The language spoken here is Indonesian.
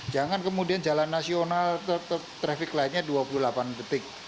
jangan kemudian jalan nasional tetep trafik lightnya dua puluh delapan detik